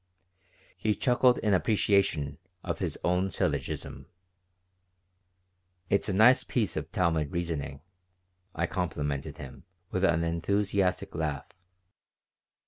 He chuckled in appreciation of his own syllogism "It's a nice piece of Talmud reasoning," I complimented him, with an enthusiastic laugh.